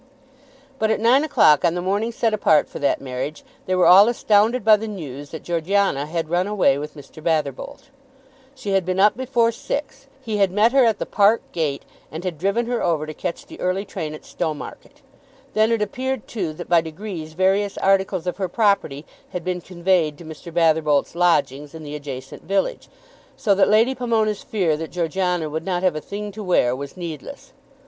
But at nine o'clock on the morning set apart for that marriage, they were all astounded by the news that Georgiana had run away with Mr. Batherbolt. She had been up before six. He had met her at the park gate, and had driven her over to catch the early train at Stowmarket. Then it appeared, too, that by degrees various articles of her property had been conveyed to Mr. Batherbolt's lodgings in the adjacent village, so that Lady Pomona's fear that Georgiana would not have a thing to wear, was needless.